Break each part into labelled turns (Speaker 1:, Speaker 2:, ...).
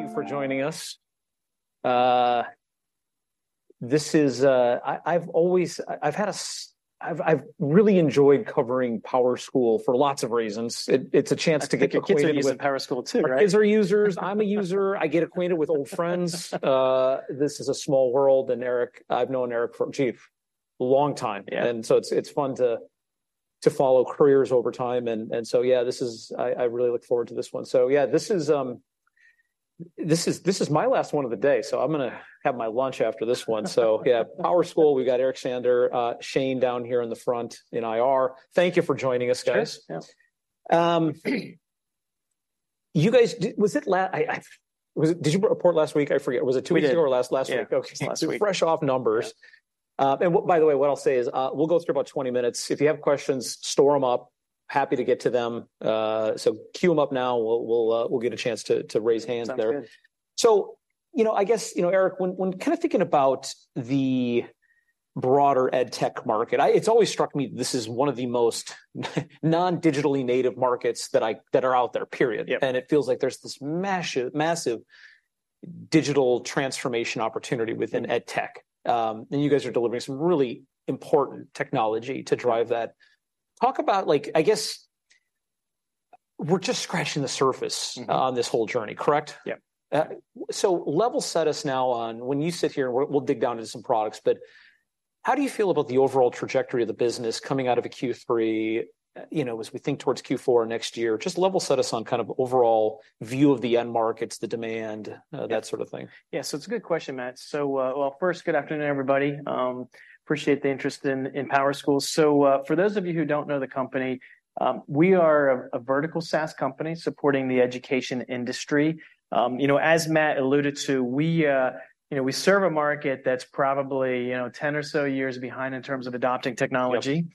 Speaker 1: Thank you for joining us. This is, I've really enjoyed covering PowerSchool for lots of reasons. It's a chance to get acquainted with
Speaker 2: I think your kids are gonna use PowerSchool, too, right?
Speaker 1: These are users. I'm a user. I get acquainted with old friends. This is a small world, and Eric. I've known Eric from, gee, a long time.
Speaker 2: Yeah.
Speaker 1: It's fun to follow careers over time. So yeah, this is... I really look forward to this one. So yeah, this is my last one of the day, so I'm gonna have my lunch after this one. So yeah, PowerSchool, we've got Eric Shander, Shane down here in the front in IR. Thank you for joining us, guys.
Speaker 2: Sure, yeah.
Speaker 1: You guys, was it, did you report last week? I forget. Was it two weeks ago?
Speaker 2: We did
Speaker 1: or last week?
Speaker 2: Yeah.
Speaker 1: Okay.
Speaker 2: Last week.
Speaker 1: Fresh off numbers.
Speaker 2: Yeah.
Speaker 1: By the way, what I'll say is, we'll go through about 20 minutes. If you have questions, store 'em up, happy to get to them. So queue 'em up now, and we'll get a chance to raise hands there.
Speaker 2: Sounds good.
Speaker 1: So, you know, I guess, you know, Eric, when kind of thinking about the broader EdTech market, it's always struck me this is one of the most non-digitally native markets that are out there, period.
Speaker 2: Yep.
Speaker 1: It feels like there's this massive, massive digital transformation opportunity within EdTech. You guys are delivering some really important technology to drive that. Talk about, like, I guess. We're just scratching the surface on this whole journey, correct?
Speaker 2: Yeah.
Speaker 1: So level set us now on when you sit here, and we'll dig down into some products, but how do you feel about the overall trajectory of the business coming out of a Q3, you know, as we think towards Q4 next year? Just level set us on kind of overall view of the end markets, the demand-
Speaker 2: Yeah
Speaker 1: that sort of thing.
Speaker 2: Yeah, so it's a good question, Matt. So, well, first, good afternoon, everybody. Appreciate the interest in, in PowerSchool. So, for those of you who don't know the company, we are a, a vertical SaaS company supporting the education industry. You know, as Matt alluded to, we, you know, we serve a market that's probably, you know, 10 or so years behind in terms of adopting technology.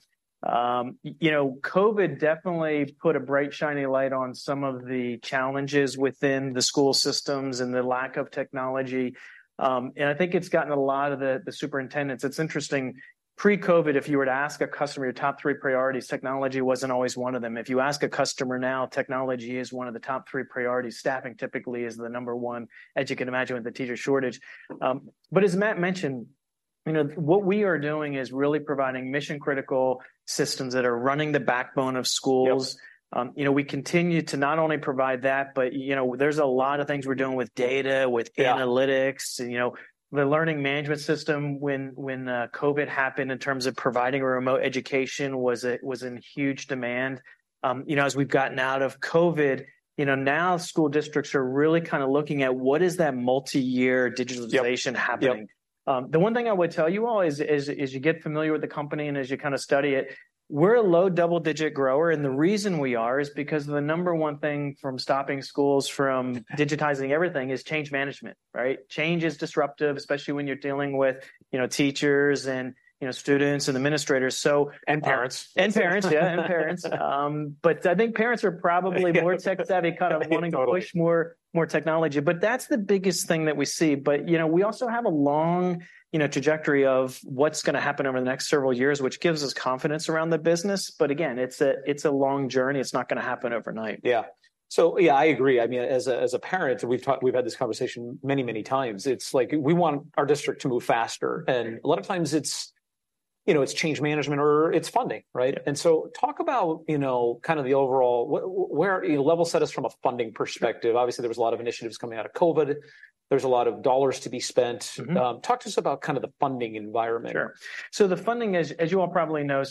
Speaker 1: Yep.
Speaker 2: You know, COVID definitely put a bright, shiny light on some of the challenges within the school systems and the lack of technology. And I think it's gotten a lot of the superintendents. It's interesting, pre-COVID, if you were to ask a customer your top three priorities, technology wasn't always one of them. If you ask a customer now, technology is one of the top three priorities. Staffing typically is the number one, as you can imagine, with the teacher shortage. But as Matt mentioned, you know, what we are doing is really providing mission-critical systems that are running the backbone of schools.
Speaker 1: Yep.
Speaker 2: You know, we continue to not only provide that, but, you know, there's a lot of things we're doing with data, with-
Speaker 1: Yeah
Speaker 2: analytics, and, you know, the learning management system, when COVID happened in terms of providing a remote education, it was in huge demand. You know, as we've gotten out of COVID, you know, now school districts are really kind of looking at what is that multi-year digitalization happening?
Speaker 1: Yep, yep.
Speaker 2: The one thing I would tell you all is, as you get familiar with the company and as you kind of study it, we're a low double-digit grower, and the reason we are is because the number one thing from stopping schools from digitizing everything is change management, right? Change is disruptive, especially when you're dealing with, you know, teachers and, you know, students and administrators. So
Speaker 1: And parents.
Speaker 2: Parents, yeah, and parents. But I think parents are probably
Speaker 1: Yeah,
Speaker 2: more tech-savvy, kind of
Speaker 1: Totally
Speaker 2: wanting to push more, more technology, but that's the biggest thing that we see. But, you know, we also have a long, you know, trajectory of what's gonna happen over the next several years, which gives us confidence around the business, but again, it's a, it's a long journey. It's not gonna happen overnight.
Speaker 1: Yeah. So yeah, I agree. I mean, as a, as a parent, we've had this conversation many, many times. It's like, we want our district to move faster and a lot of times it's, you know, it's change management or it's funding, right?
Speaker 2: Yeah.
Speaker 1: Talk about, you know, kind of the overall what, where. level set us from a funding perspective. Obviously, there was a lot of initiatives coming out of COVID. There's a lot of dollars to be spent. Talk to us about kind of the funding environment?
Speaker 2: Sure. So the funding, as you all probably know,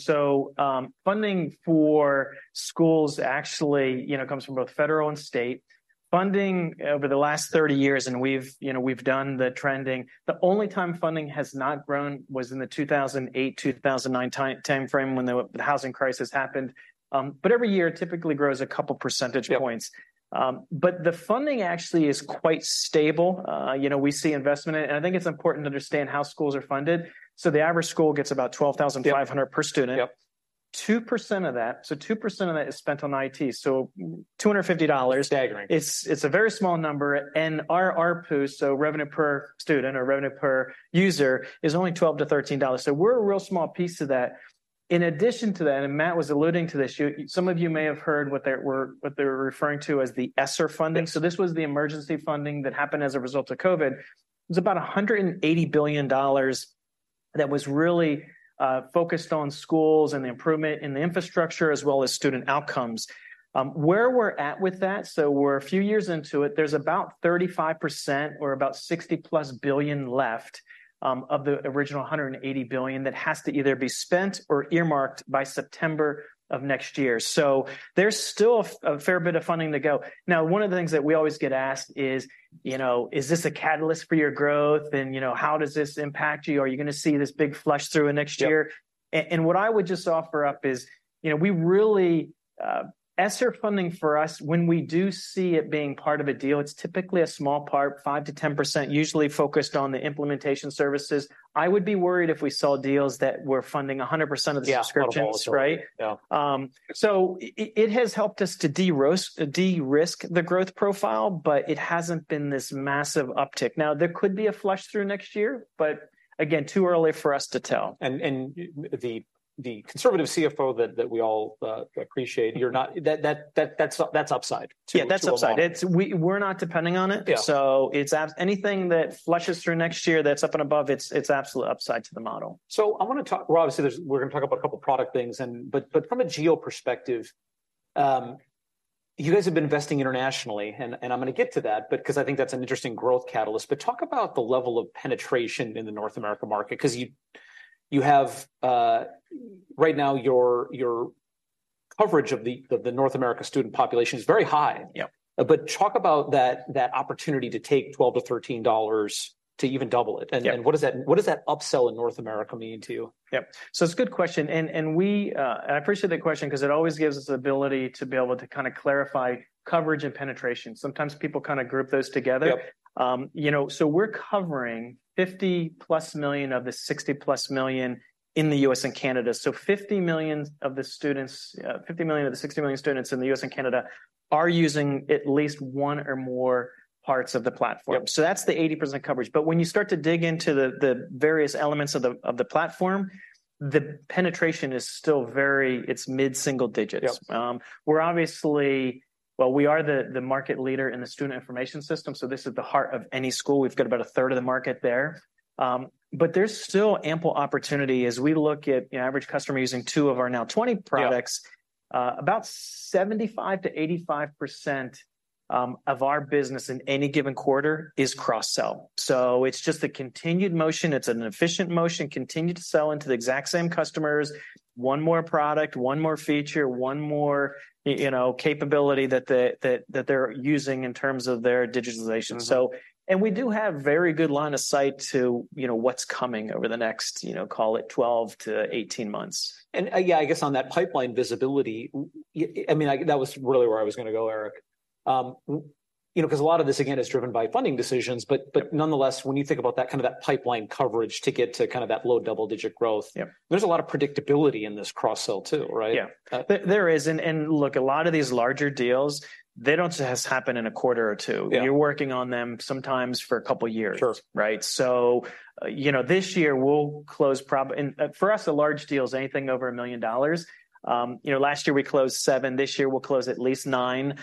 Speaker 2: funding for schools actually, you know, comes from both federal and state. Funding over the last 30 years, and we've, you know, done the trending, the only time funding has not grown was in the 2008-2009 timeframe when the housing crisis happened. But every year, it typically grows a couple percentage points.
Speaker 1: Yep.
Speaker 2: But the funding actually is quite stable. You know, we see investment, and I think it's important to understand how schools are funded. So the average school gets about 12,500-
Speaker 1: Yep
Speaker 2: per student.
Speaker 1: Yep.
Speaker 2: 2% of that, so 2% of that is spent on IT, so $250.
Speaker 1: Staggering.
Speaker 2: It's a very small number, and our RPUs, so revenue per student or revenue per user, is only $12-$13. So we're a real small piece of that. In addition to that, and Matt was alluding to this, you, some of you may have heard what they were referring to as the ESSER funding.
Speaker 1: Yes.
Speaker 2: So this was the emergency funding that happened as a result of COVID. It was about $180 billion that was really focused on schools and the improvement in the infrastructure as well as student outcomes. Where we're at with that, so we're a few years into it. There's about 35% or about $60+ billion left of the original $180 billion that has to either be spent or earmarked by September of next year. So there's still a fair bit of funding to go. Now, one of the things that we always get asked is, you know, "Is this a catalyst for your growth?" and, you know, "How does this impact you? Are you gonna see this big flush through in next year?
Speaker 1: Yep.
Speaker 2: What I would just offer up is, you know, we really, ESSER funding for us, when we do see it being part of a deal, it's typically a small part, 5%-10%, usually focused on the implementation services. I would be worried if we saw deals that were funding 100% of the subscriptions
Speaker 1: Yeah
Speaker 2: right?
Speaker 1: Yeah.
Speaker 2: So it has helped us to de-risk the growth profile, but it hasn't been this massive uptick. Now, there could be a flush through next year, but again, too early for us to tell.
Speaker 1: the conservative CFO that we all appreciate, you're not. That's upside to
Speaker 2: Yeah, that's upside.
Speaker 1: It's.
Speaker 2: We're not depending on it.
Speaker 1: Yeah.
Speaker 2: So it's anything that flushes through next year that's up and above, it's, it's absolute upside to the model.
Speaker 1: So I wanna talk. Well, obviously, we're gonna talk about a couple product things and, but, but from a geo perspective, you guys have been investing internationally, and, and I'm gonna get to that, but, 'cause I think that's an interesting growth catalyst. But talk about the level of penetration in the North America market, 'cause you, you have, right now, your, your coverage of the, of the North America student population is very high.
Speaker 2: Yeah.
Speaker 1: Talk about that, that opportunity to take $12-$13 to even double it.
Speaker 2: Yeah
Speaker 1: and what does that upsell in North America mean to you?
Speaker 2: Yep, so it's a good question, and, and we. And I appreciate that question, 'cause it always gives us the ability to be able to kinda clarify coverage and penetration. Sometimes people kinda group those together.
Speaker 1: Yep.
Speaker 2: You know, so we're covering 50 plus million of the 60 plus million in the U.S. and Canada, so 50 million of the 60 million students in the U.S. and Canada are using at least one or more parts of the platform.
Speaker 1: Yep.
Speaker 2: So that's the 80% coverage, but when you start to dig into the various elements of the platform, the penetration is still very, it's mid-single digits.
Speaker 1: Yep.
Speaker 2: We're obviously. Well, we are the market leader in the Student Information System, so this is the heart of any school. We've got about a third of the market there. But there's still ample opportunity as we look at, you know, average customer using 2 of our now 20 products
Speaker 1: Yep
Speaker 2: about 75%-85% of our business in any given quarter is cross-sell. So it's just a continued motion. It's an efficient motion, continue to sell into the exact same customers, one more product, one more feature, one more, you know, capability that they're using in terms of their digitalization We do have very good line of sight to, you know, what's coming over the next, you know, call it 12-18 months.
Speaker 1: Yeah, I guess on that pipeline visibility, I mean, like, that was really where I was gonna go, Eric. You know, 'cause a lot of this, again, is driven by funding decisions, but-
Speaker 2: Yep
Speaker 1: but nonetheless, when you think about that, kind of that pipeline coverage to get to kind of that low double-digit growth-
Speaker 2: Yep
Speaker 1: there's a lot of predictability in this Cross-sell, too, right?
Speaker 2: Yeah. There is, and look, a lot of these larger deals, they don't just happen in a quarter or two.
Speaker 1: Yeah.
Speaker 2: You're working on them sometimes for a couple years
Speaker 1: Sure
Speaker 2: right? So, you know, this year, we'll close, and for us, a large deal is anything over $1 million. You know, last year we closed seven. This year, we'll close at least nine.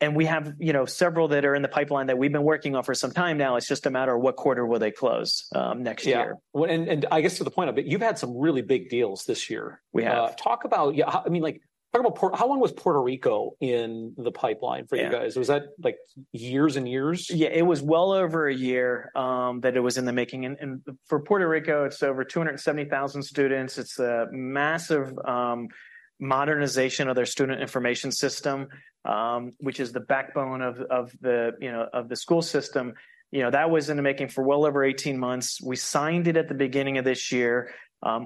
Speaker 2: And we have, you know, several that are in the pipeline that we've been working on for some time now. It's just a matter of what quarter will they close, next year.
Speaker 1: Yeah. Well, and I guess to the point of it, you've had some really big deals this year.
Speaker 2: We have.
Speaker 1: Talk about, yeah, I mean, like, talk about Puerto Rico. How long was Puerto Rico in the pipeline for you guys?
Speaker 2: Yeah.
Speaker 1: Was that, like, years and years?
Speaker 2: Yeah, it was well over a year that it was in the making, and for Puerto Rico, it's over 270,000 students. It's a massive modernization of their student information system, which is the backbone of the you know of the school system. You know, that was in the making for well over 18 months. We signed it at the beginning of this year.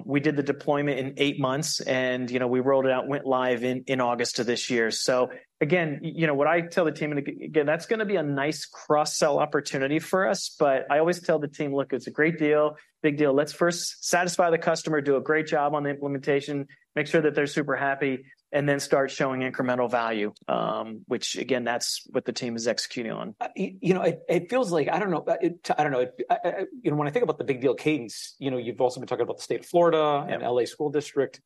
Speaker 2: We did the deployment in 8 months, and you know we rolled it out, went live in August of this year. So again, you know what I tell the team, and again, that's gonna be a nice cross-sell opportunity for us, but I always tell the team, "Look, it's a great deal, big deal. Let's first satisfy the customer, do a great job on the implementation, make sure that they're super happy, and then start showing incremental value, which again, that's what the team is executing on.
Speaker 1: You know, it feels like, I don't know... You know, when I think about the big deal cadence, you know, you've also been talking about the state of Florida-
Speaker 2: Yeah
Speaker 1: and L.A. School District.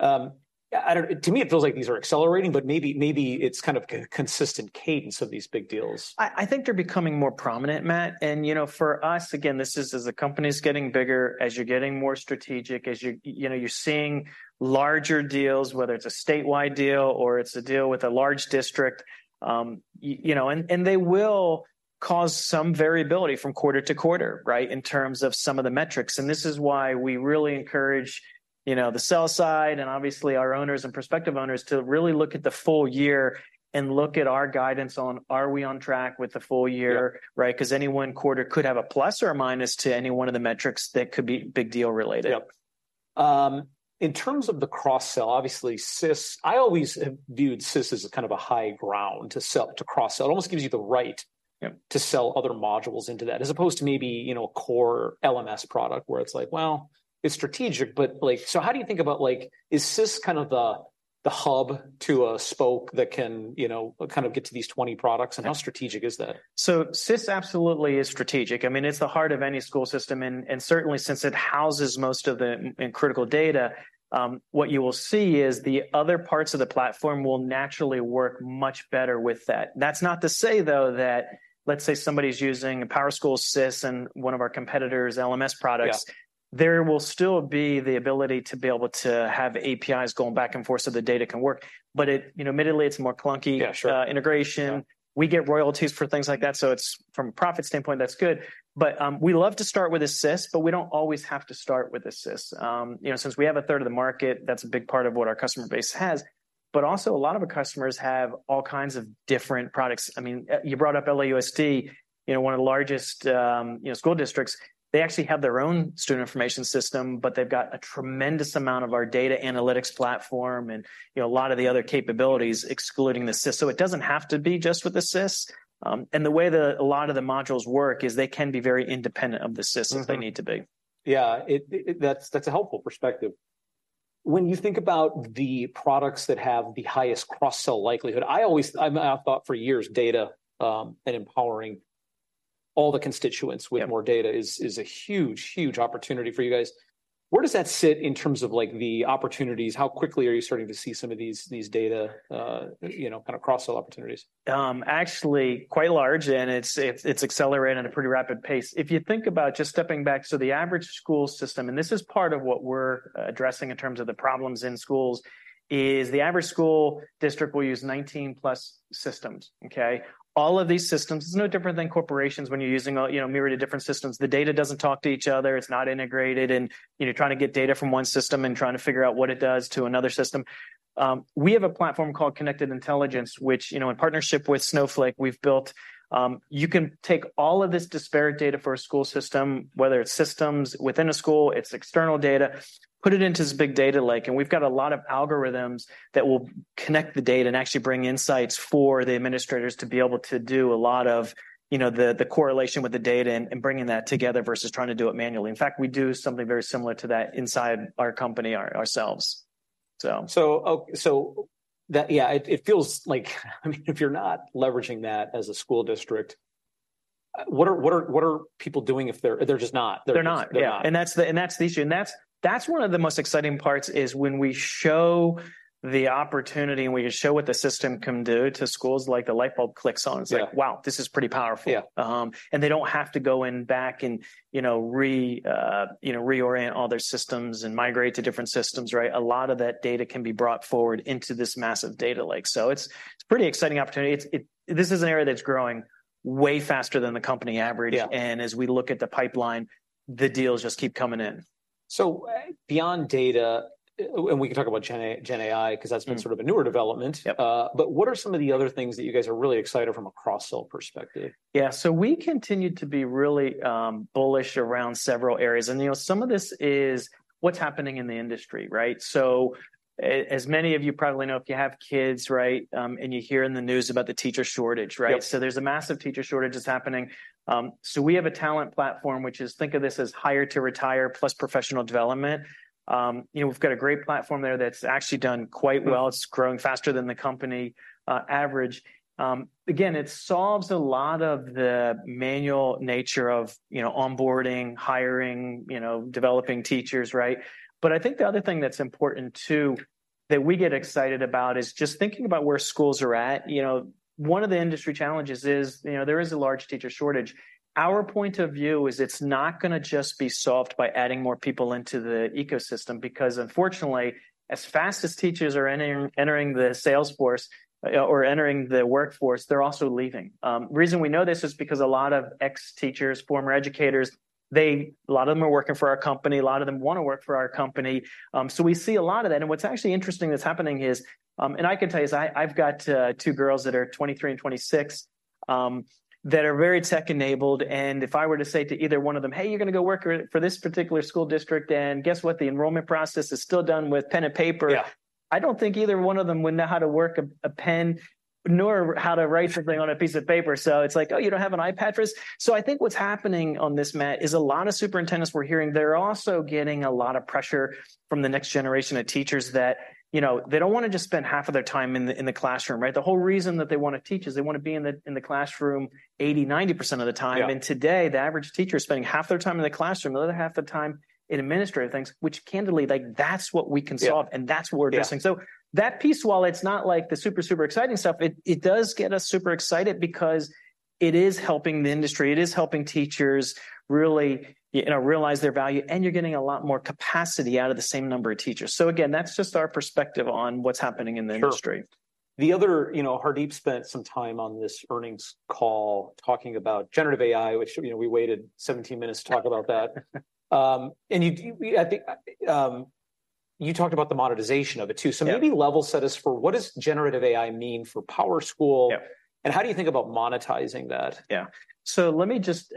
Speaker 1: Yeah, to me, it feels like these are accelerating, but maybe, maybe it's kind of consistent cadence of these big deals.
Speaker 2: I think they're becoming more prominent, Matt, and, you know, for us, again, this is as the company's getting bigger, as you're getting more strategic, as you're, you know, you're seeing larger deals, whether it's a statewide deal or it's a deal with a large district. You know, and, and they will cause some variability from quarter to quarter, right, in terms of some of the metrics, and this is why we really encourage, you know, the sell side, and obviously our owners and prospective owners, to really look at the full year and look at our guidance on, are we on track with the full year?
Speaker 1: Yeah.
Speaker 2: Right? 'Cause any one quarter could have a plus or a minus to any one of the metrics that could be big deal-related.
Speaker 1: Yep. In terms of the cross-sell, obviously SIS, I always have viewed SIS as a kind of a high ground to sell, to cross-sell. It almost gives you the right
Speaker 2: Yep
Speaker 1: to sell other modules into that, as opposed to maybe, you know, a core LMS product, where it's like, well, it's strategic, but, like... So how do you think about, like, is SIS kind of the hub to a spoke that can, you know, kind of get to these 20 products?
Speaker 2: Yeah.
Speaker 1: How strategic is that?
Speaker 2: So SIS absolutely is strategic. I mean, it's the heart of any school system, and certainly since it houses most of the critical data, what you will see is the other parts of the platform will naturally work much better with that. That's not to say, though, that, let's say somebody's using a PowerSchool SIS and one of our competitor's LMS products-
Speaker 1: Yeah
Speaker 2: there will still be the ability to be able to have APIs going back and forth so the data can work, but it, you know, admittedly, it's more clunky-
Speaker 1: Yeah, sure
Speaker 2: integration.
Speaker 1: Yeah.
Speaker 2: We get royalties for things like that, so it's, from a profit standpoint, that's good. But we love to start with a SIS, but we don't always have to start with a SIS. You know, since we have a third of the market, that's a big part of what our customer base has, but also a lot of the customers have all kinds of different products. I mean, you brought up LAUSD, you know, one of the largest school districts. They actually have their own student information system, but they've got a tremendous amount of our data analytics platform and, you know, a lot of the other capabilities excluding the SIS. So it doesn't have to be just with the SIS. And the way a lot of the modules work is they can be very independent of the SIS if they need to be.
Speaker 1: Yeah, it that's a helpful perspective. When you think about the products that have the highest cross-sell likelihood, I always. I've thought for years, data, and empowering all the constituents
Speaker 2: Yeah
Speaker 1: with more data is a huge, huge opportunity for you guys.... Where does that sit in terms of, like, the opportunities? How quickly are you starting to see some of these data, you know, kind of cross-sell opportunities?
Speaker 2: Actually, quite large, and it's accelerating at a pretty rapid pace. If you think about just stepping back, so the average school system, and this is part of what we're addressing in terms of the problems in schools, is the average school district will use 19 plus systems, okay? All of these systems, it's no different than corporations when you're using a, you know, myriad of different systems. The data doesn't talk to each other, it's not integrated, and, you know, trying to get data from one system and trying to figure out what it does to another system. We have a platform called Connected Intelligence, which, you know, in partnership with Snowflake, we've built... You can take all of this disparate data for a school system, whether it's systems within a school, it's external data, put it into this big data lake, and we've got a lot of algorithms that will connect the data and actually bring insights for the administrators to be able to do a lot of, you know, the correlation with the data and bringing that together versus trying to do it manually. In fact, we do something very similar to that inside our company ourselves, so.
Speaker 1: It feels like, I mean, if you're not leveraging that as a school district, what are people doing if they're. They're just not.
Speaker 2: They're not.
Speaker 1: They're not.
Speaker 2: Yeah, and that's the issue, and that's one of the most exciting parts is when we show the opportunity and we show what the system can do to schools, like, the light bulb clicks on.
Speaker 1: Yeah.
Speaker 2: It's like, "Wow, this is pretty powerful.
Speaker 1: Yeah.
Speaker 2: They don't have to go in back and, you know, reorient all their systems and migrate to different systems, right? A lot of that data can be brought forward into this massive data lake. So it's a pretty exciting opportunity. This is an area that's growing way faster than the company average.
Speaker 1: Yeah.
Speaker 2: As we look at the pipeline, the deals just keep coming in.
Speaker 1: So, beyond data, and we can talk about GenAI, 'cause that's been sort of a newer development.
Speaker 2: Yep.
Speaker 1: But what are some of the other things that you guys are really excited from a cross-sell perspective?
Speaker 2: Yeah. So we continue to be really bullish around several areas, and, you know, some of this is what's happening in the industry, right? So as many of you probably know, if you have kids, right, and you hear in the news about the teacher shortage, right?
Speaker 1: Yep.
Speaker 2: There's a massive teacher shortage that's happening. We have a talent platform, which is, think of this as hire to retire, plus professional development. You know, we've got a great platform there that's actually done quite well. It's growing faster than the company average. Again, it solves a lot of the manual nature of, you know, onboarding, hiring, you know, developing teachers, right? But I think the other thing that's important, too, that we get excited about is just thinking about where schools are at. You know, one of the industry challenges is, you know, there is a large teacher shortage. Our point of view is it's not gonna just be solved by adding more people into the ecosystem because, unfortunately, as fast as teachers are entering the sales force or entering the workforce, they're also leaving. The reason we know this is because a lot of ex-teachers, former educators, a lot of them are working for our company, a lot of them wanna work for our company. So we see a lot of that, and what's actually interesting that's happening is, and I can tell you, 'cause I, I've got two girls that are 23 and 26, that are very tech-enabled, and if I were to say to either one of them, "Hey, you're gonna go work for, for this particular school district, and guess what? The enrollment process is still done with pen and paper
Speaker 1: Yeah
Speaker 2: I don't think either one of them would know how to work a pen, nor how to write something on a piece of paper. So it's like, "Oh, you don't have an iPad for this?" So I think what's happening on this, Matt, is a lot of superintendents we're hearing, they're also getting a lot of pressure from the next generation of teachers that, you know, they don't wanna just spend half of their time in the classroom, right? The whole reason that they wanna teach is they wanna be in the classroom 80%-90% of the time.
Speaker 1: Yeah.
Speaker 2: Today, the average teacher is spending half their time in the classroom, the other half of the time in administrative things, which candidly, like, that's what we can solve
Speaker 1: Yeah
Speaker 2: and that's what we're addressing.
Speaker 1: Yeah.
Speaker 2: So that piece, while it's not, like, the super, super exciting stuff, it, it does get us super excited because it is helping the industry, it is helping teachers really, you know, realize their value, and you're getting a lot more capacity out of the same number of teachers. So again, that's just our perspective on what's happening in the industry.
Speaker 1: Sure. The other, you know, Hardeep spent some time on this earnings call talking about Generative AI, which, you know, we waited 17 minutes to talk about that. And you, I think, you talked about the monetization of it, too.
Speaker 2: Yeah.
Speaker 1: Maybe level set us for what does Generative AI mean for PowerSchool?
Speaker 2: Yeah
Speaker 1: and how do you think about monetizing that?
Speaker 2: Yeah. So let me just,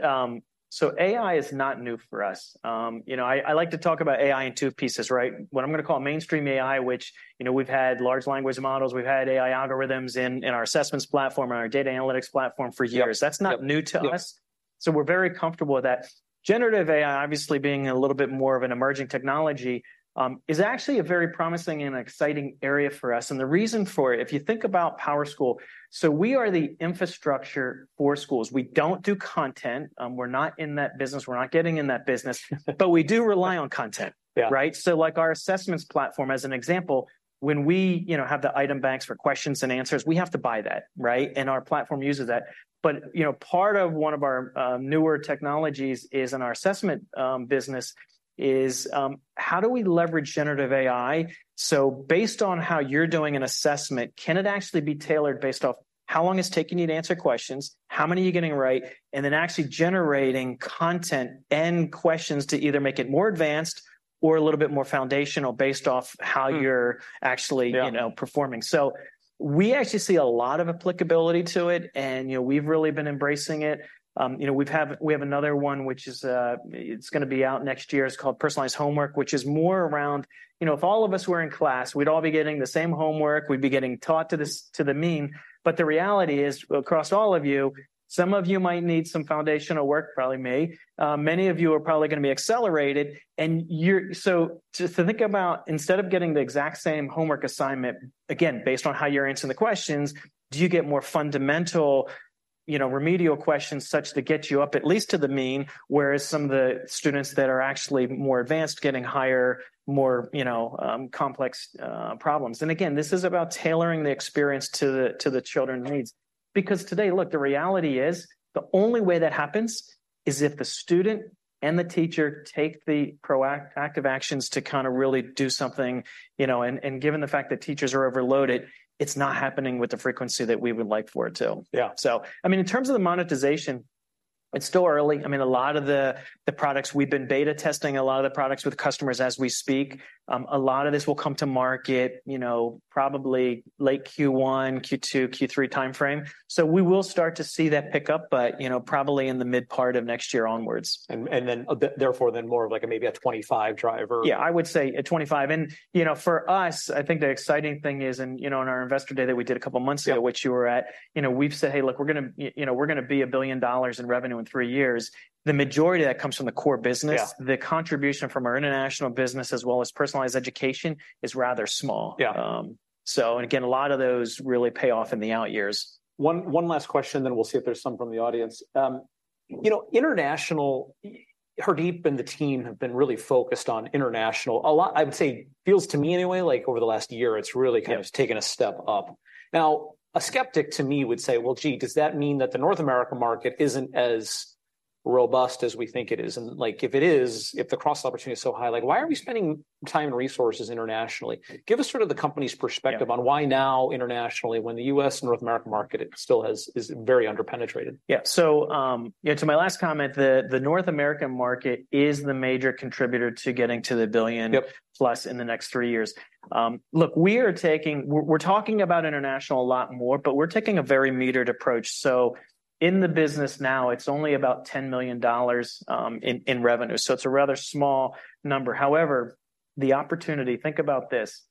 Speaker 2: so AI is not new for us. You know, I like to talk about AI in two pieces, right? What I'm gonna call mainstream AI, which, you know, we've had large language models, we've had AI algorithms in our assessments platform and our data analytics platform for years.
Speaker 1: Yep. Yep.
Speaker 2: That's not new to us
Speaker 1: Yep
Speaker 2: so we're very comfortable with that. Generative AI, obviously being a little bit more of an emerging technology, is actually a very promising and exciting area for us, and the reason for it, if you think about PowerSchool, so we are the infrastructure for schools. We don't do content. We're not in that business, we're not getting in that business. But we do rely on content.
Speaker 1: Yeah.
Speaker 2: Right? So, like, our assessments platform, as an example, when we, you know, have the item banks for questions and answers, we have to buy that, right? And our platform uses that. But, you know, part of one of our newer technologies is in our assessment business how do we leverage Generative AI? So based on how you're doing an assessment, can it actually be tailored based off how long it's taking you to answer questions, how many are you getting right, and then actually generating content and questions to either make it more advanced or a little bit more foundational based off how you're actually
Speaker 1: Yeah
Speaker 2: you know, performing? So we actually see a lot of applicability to it, and, you know, we've really been embracing it. You know, we have another one, which is, it's gonna be out next year. It's called Personalized Homework, which is more around, you know, if all of us were in class, we'd all be getting the same homework, we'd be getting taught to the mean. But the reality is, across all of you, some of you might need some foundational work, probably me. Many of you are probably gonna be accelerated, and you're. So just to think about instead of getting the exact same homework assignment, again, based on how you're answering the questions, do you get more fundamental. You know, remedial questions such to get you up at least to the mean, whereas some of the students that are actually more advanced getting higher, more, you know, complex problems. And again, this is about tailoring the experience to the children's needs. Because today, look, the reality is, the only way that happens is if the student and the teacher take the proactive actions to kind of really do something, you know, and given the fact that teachers are overloaded, it's not happening with the frequency that we would like for it to.
Speaker 1: Yeah.
Speaker 2: So, I mean, in terms of the monetization, it's still early. I mean, a lot of the products we've been beta testing, a lot of the products with customers as we speak, a lot of this will come to market, you know, probably late Q1, Q2, Q3 timeframe. So we will start to see that pick up, but, you know, probably in the mid-part of next year onwards.
Speaker 1: And then, therefore, then more of, like, a maybe a 2025 driver?
Speaker 2: Yeah, I would say 2025. And, you know, for us, I think the exciting thing is, and, you know, in our investor day that we did a couple months ago
Speaker 1: Yeah
Speaker 2: which you were at, you know, we've said, "Hey, look, we're gonna you know, we're gonna be $1 billion in revenue in 3 years." The majority of that comes from the core business.
Speaker 1: Yeah.
Speaker 2: The contribution from our international business as well as personalized education is rather small.
Speaker 1: Yeah.
Speaker 2: And again, a lot of those really pay off in the out years.
Speaker 1: One last question, then we'll see if there's some from the audience. You know, international, Hardeep and the team have been really focused on international. A lot, I would say, feels to me anyway, like over the last year, it's really-
Speaker 2: Yeah
Speaker 1: kind of taken a step up. Now, a skeptic to me would say, "Well, gee, does that mean that the North America market isn't as robust as we think it is? And like, if it is, if the cross-sell opportunity is so high, like, why are we spending time and resources internationally?
Speaker 2: Yeah.
Speaker 1: Give us sort of the company's perspective-
Speaker 2: Yeah
Speaker 1: on why now internationally, when the U.S. North America market, it still has, is very under-penetrated.
Speaker 2: Yeah. So, yeah, to my last comment, the North American market is the major contributor to getting to the billion
Speaker 1: Yep
Speaker 2: plus in the next 3 years. Look, we are taking... We're, we're talking about international a lot more, but we're taking a very metered approach. So in the business now, it's only about $10 million, in, in revenue, so it's a rather small number. However, the opportunity, think about this,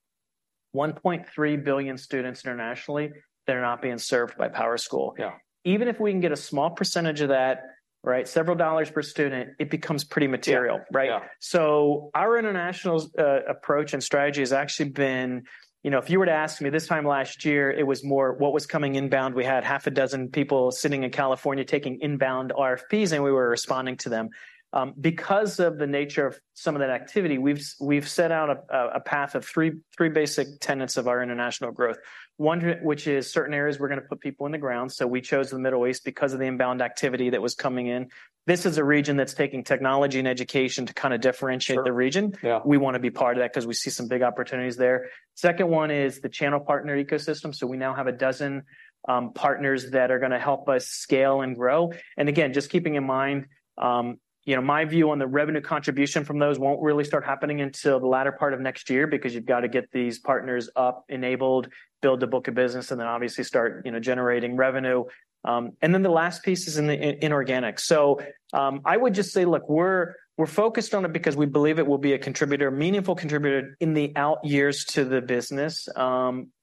Speaker 2: 1.3 billion students internationally that are not being served by PowerSchool.
Speaker 1: Yeah.
Speaker 2: Even if we can get a small percentage of that, right, several dollars per student, it becomes pretty material.
Speaker 1: Yeah
Speaker 2: right?
Speaker 1: Yeah.
Speaker 2: So our international's approach and strategy has actually been, you know, if you were to ask me this time last year, it was more what was coming inbound. We had 6 people sitting in California taking inbound RFPs, and we were responding to them. Because of the nature of some of that activity, we've set out a path of 3 basic tenets of our international growth. One which is certain areas we're gonna put people on the ground, so we chose the Middle East because of the inbound activity that was coming in. This is a region that's taking technology and education to kind of differentiate-
Speaker 1: Sure
Speaker 2: the region.
Speaker 1: Yeah.
Speaker 2: We wanna be part of that 'cause we see some big opportunities there. Second one is the channel partner ecosystem, so we now have a dozen partners that are gonna help us scale and grow. And again, just keeping in mind, you know, my view on the revenue contribution from those won't really start happening until the latter part of next year because you've gotta get these partners up, enabled, build the book of business, and then obviously start, you know, generating revenue. And then the last piece is inorganic. So, I would just say, look, we're focused on it because we believe it will be a contributor, meaningful contributor in the out years to the business.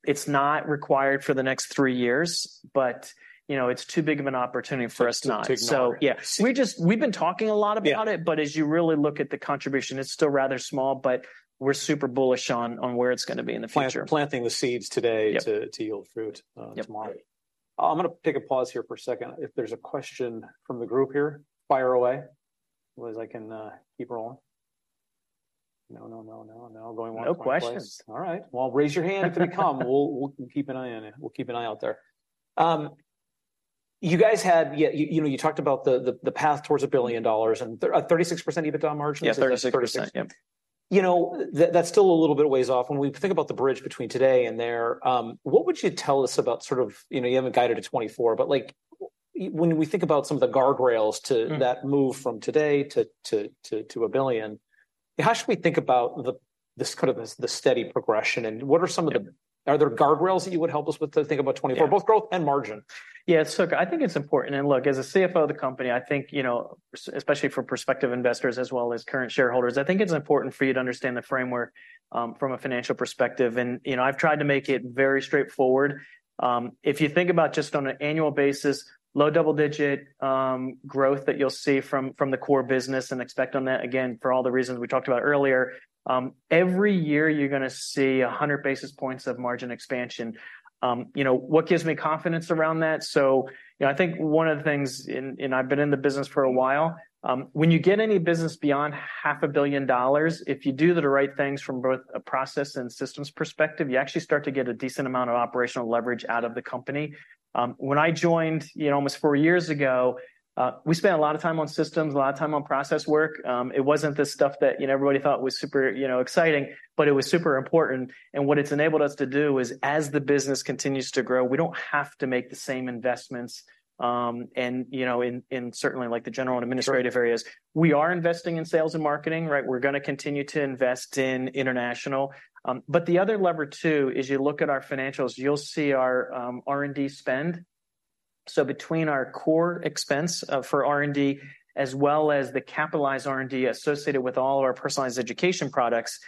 Speaker 2: It's not required for the next three years, but, you know, it's too big of an opportunity for us not
Speaker 1: To ignore.
Speaker 2: So yeah, we've been talking a lot about it.
Speaker 1: Yeah
Speaker 2: but as you really look at the contribution, it's still rather small, but we're super bullish on, on where it's gonna be in the future.
Speaker 1: planting the seeds today
Speaker 2: Yep
Speaker 1: to yield fruit,
Speaker 2: Yeptomorrow. I'm gonna take a pause here for a second. If there's a question from the group here, fire away. Otherwise, I can keep rolling. No, no, no, no, no, going once No questions
Speaker 1: going twice. All right, well, raise your hand if they come. We'll keep an eye on it. We'll keep an eye out there. You guys had, yeah, you know, you talked about the path towards $1 billion, and 36% EBITDA margins?
Speaker 2: Yeah, 36%.
Speaker 1: 36%
Speaker 2: Yep.
Speaker 1: You know, that, that's still a little bit of ways off. When we think about the bridge between today and there, what would you tell us about sort of... You know, you have it guided to 2024, but, like, when we think about some of the guardrails to- that move from today to $1 billion, how should we think about this kind of as the steady progression, and what are some of the-
Speaker 2: Yeah
Speaker 1: are there guardrails that you would help us with to think about 2024-
Speaker 2: Yeah
Speaker 1: both growth and margin?
Speaker 2: Yeah, so I think it's important, and look, as a CFO of the company, I think, you know, especially for prospective investors as well as current shareholders, I think it's important for you to understand the framework from a financial perspective. You know, I've tried to make it very straightforward. If you think about just on an annual basis, low double-digit growth that you'll see from the core business, and expect on that, again, for all the reasons we talked about earlier, every year, you're gonna see 100 basis points of margin expansion. You know, what gives me confidence around that? So, you know, I think one of the things, and I've been in the business for a while, when you get any business beyond $500 million, if you do the right things from both a process and systems perspective, you actually start to get a decent amount of operational leverage out of the company. When I joined, you know, almost four years ago, we spent a lot of time on systems, a lot of time on process work. It wasn't the stuff that, you know, everybody thought was super, you know, exciting, but it was super important, and what it's enabled us to do is, as the business continues to grow, we don't have to make the same investments, and, you know, in, in certainly, like, the general and administrative areas.
Speaker 1: Sure.
Speaker 2: We are investing in sales and marketing, right? We're gonna continue to invest in international. But the other lever, too, is you look at our financials, you'll see our R&D spend so between our core expense for R&D, as well as the capitalized R&D associated with all of our personalized education products,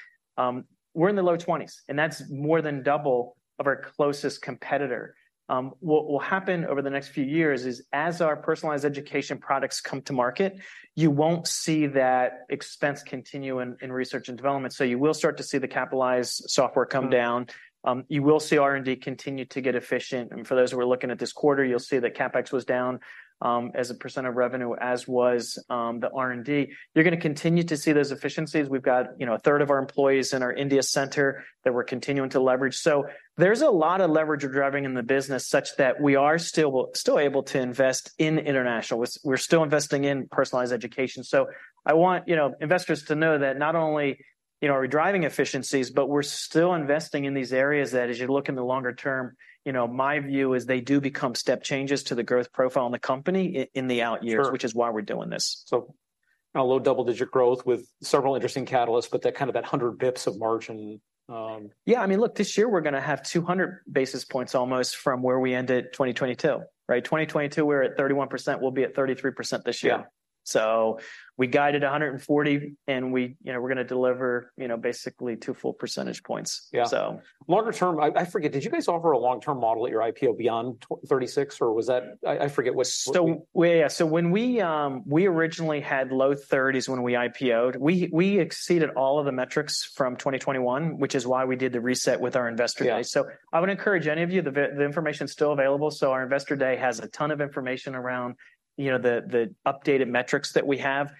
Speaker 2: we're in the low 20s, and that's more than double of our closest competitor. What will happen over the next few years is, as our personalized education products come to market, you won't see that expense continue in research and development. So you will start to see the capitalized software come down. You will see R&D continue to get efficient, and for those who are looking at this quarter, you'll see that CapEx was down as a percent of revenue, as was the R&D. You're gonna continue to see those efficiencies. We've got, you know, a third of our employees in our India center that we're continuing to leverage. So there's a lot of leverage we're driving in the business, such that we are still able to invest in international. We're still investing in personalized education. So I want, you know, investors to know that not only, you know, are we driving efficiencies, but we're still investing in these areas that, as you look in the longer term, you know, my view is they do become step changes to the growth profile in the company in the out years-
Speaker 1: Sure
Speaker 2: which is why we're doing this.
Speaker 1: So a low double-digit growth with several interesting catalysts, but that kind of 100 basis points of margin,
Speaker 2: Yeah, I mean, look, this year we're gonna have 200 basis points almost from where we ended 2022, right? 2022, we were at 31%. We'll be at 33% this year.
Speaker 1: Yeah.
Speaker 2: We guided 140, and we, you know, we're gonna deliver, you know, basically 2 full percentage points.
Speaker 1: Yeah.
Speaker 2: So.
Speaker 1: Longer term, I forget, did you guys offer a long-term model at your IPO beyond 36 or was that... I forget, was-
Speaker 2: Yeah, so when we originally had low 30s when we IPO We exceeded all of the metrics from 2021, which is why we did the reset with our investor day.
Speaker 1: Yeah.
Speaker 2: So I would encourage any of you, the information's still available, so our investor day has a ton of information around, you know, the updated metrics that we have.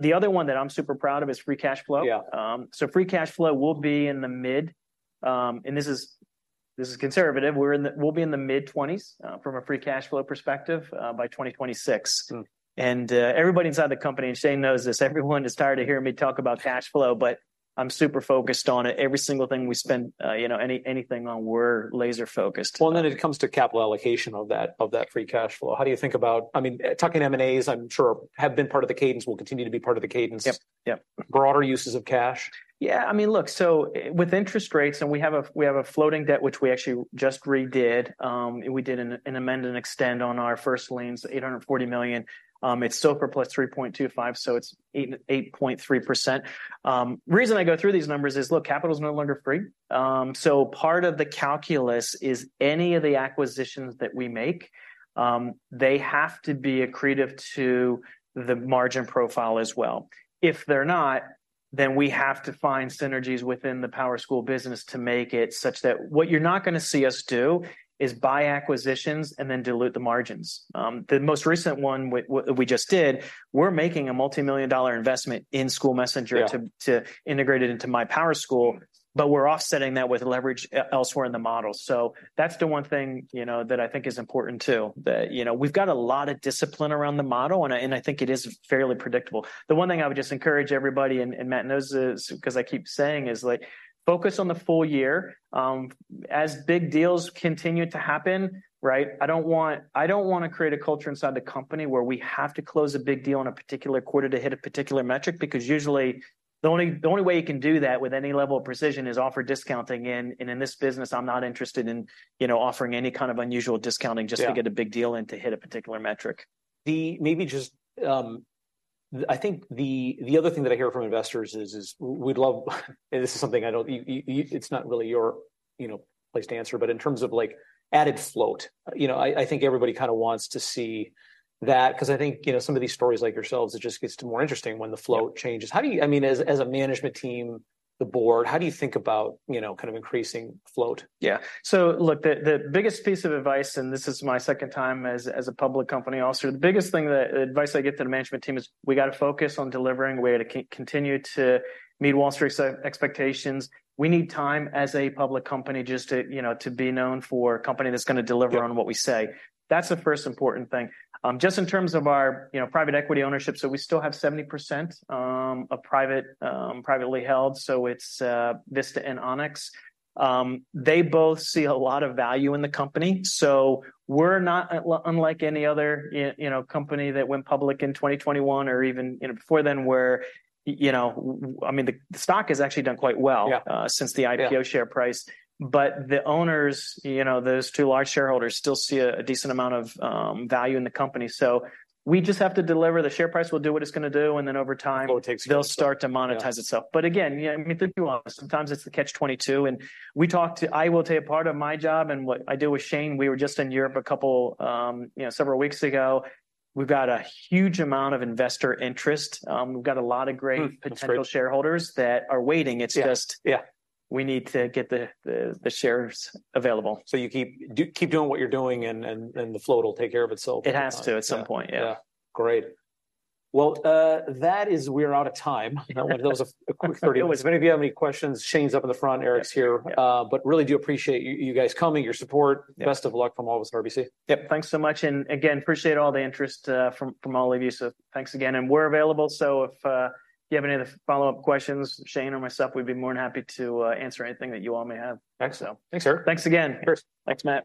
Speaker 2: The other one that I'm super proud of is free cash flow.
Speaker 1: Yeah.
Speaker 2: So free cash flow will be in the mid-20s. And this is conservative. We'll be in the mid-20s from a free cash flow perspective by 2026. Everybody inside the company, and Shane knows this, everyone is tired of hearing me talk about cash flow, but I'm super focused on it. Every single thing we spend, you know, anything on, we're laser-focused on.
Speaker 1: Well, then it comes to capital allocation of that, of that free cash flow. How do you think about... I mean, tuck-in M&A, I'm sure have been part of the cadence, will continue to be part of the cadence.
Speaker 2: Yep. Yep.
Speaker 1: Broader uses of cash?
Speaker 2: Yeah, I mean, look, so, with interest rates, and we have a, we have a floating debt, which we actually just redid, we did an amend and extend on our first liens, $840 million. It's still +3.25, so it's 8.3%. Reason I go through these numbers is, look, capital's no longer free. So part of the calculus is any of the acquisitions that we make, they have to be accretive to the margin profile as well. If they're not, then we have to find synergies within the PowerSchool business to make it such that what you're not gonna see us do is buy acquisitions and then dilute the margins. The most recent one, which we just did, we're making a multimillion-dollar investment in SchoolMessenger
Speaker 1: Yeah
Speaker 2: to integrate it into My PowerSchool, but we're offsetting that with leverage elsewhere in the model. So that's the one thing, you know, that I think is important, too, that, you know, we've got a lot of discipline around the model, and I think it is fairly predictable. The one thing I would just encourage everybody, and Matt knows this because I keep saying, is, like, focus on the full year. As big deals continue to happen, right, I don't wanna create a culture inside the company where we have to close a big deal in a particular quarter to hit a particular metric, because usually the only way you can do that with any level of precision is offer discounting, and in this business, I'm not interested in, you know, offering any kind of unusual discounting-
Speaker 1: Yeah
Speaker 2: just to get a big deal and to hit a particular metric.
Speaker 1: Maybe just, I think the other thing that I hear from investors is, we'd love. And this is something I don't, it's not really your, you know, place to answer, but in terms of, like, added float, you know, I think everybody kinda wants to see that. 'Cause I think, you know, some of these stories like yourselves, it just gets more interesting when the float changes.
Speaker 2: Yeah.
Speaker 1: How do you. I mean, as, as a management team, the board, how do you think about, you know, kind of increasing float?
Speaker 2: Yeah. So look, the biggest piece of advice, and this is my second time as a public company officer, the biggest thing, that advice I give to the management team is we gotta focus on delivering. We're gonna continue to meet Wall Street's expectations. We need time as a public company just to, you know, to be known for a company that's gonna deliver on what we say.
Speaker 1: Yeah.
Speaker 2: That's the first important thing. Just in terms of our, you know, private equity ownership, so we still have 70%, of private, privately held, so it's, Vista and Onex. They both see a lot of value in the company, so we're not unlike any other you know, company that went public in 2021 or even, you know, before then, where you know... I mean, the, the stock has actually done quite well
Speaker 1: Yeah
Speaker 2: since the IPO share price.
Speaker 1: Yeah.
Speaker 2: But the owners, you know, those two large shareholders, still see a decent amount of value in the company. So we just have to deliver. The share price will do what it's gonna do, and then over time
Speaker 1: Well, it takes
Speaker 2: they'll start to monetize itself.
Speaker 1: Yeah.
Speaker 2: But again, yeah, I mean, to be honest, sometimes it's the catch-22, and we talked to. I will tell you, part of my job and what I do with Shane, we were just in Europe a couple, you know, several weeks ago. We've got a huge amount of investor interest. We've got a lot of great- that's great. potential shareholders that are waiting.
Speaker 1: Yeah.
Speaker 2: It's just
Speaker 1: Yeah
Speaker 2: we need to get the shares available.
Speaker 1: You keep doing what you're doing, and the float will take care of itself.
Speaker 2: It has to at some point.
Speaker 1: Yeah.
Speaker 2: Yeah.
Speaker 1: Great. Well, that is, we're out of time. You know, that was a quick 30 minutes.
Speaker 2: Oh, it was.
Speaker 1: If any of you have any questions, Shane's up in the front. Eric's here.
Speaker 2: Yeah. Yeah.
Speaker 1: But really do appreciate you, you guys coming, your support.
Speaker 2: Yeah.
Speaker 1: Best of luck from all of us at RBC.
Speaker 2: Yep, thanks so much, and again, appreciate all the interest from all of you. So thanks again, and we're available, so if you have any other follow-up questions, Shane or myself, we'd be more than happy to answer anything that you all may have.
Speaker 1: Excellent.
Speaker 2: Thanks.
Speaker 1: Thanks, Eric.
Speaker 2: Thanks again.
Speaker 1: Sure.
Speaker 2: Thanks, Matt.